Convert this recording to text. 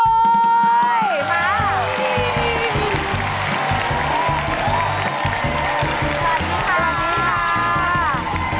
คุณอุ้มคุณปุ้ย